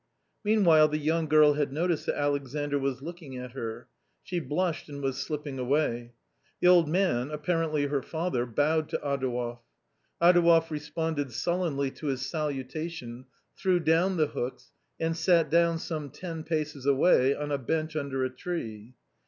Meanwhile the young girl had noticed that Alexandr was looking at her ; she blushed and was stepping away. The old man, apparently her father, bowed to Adouev. Adouev responded sullenly to his salutation, threw down the hooks and sat down some ten paces away on a bench under a tree.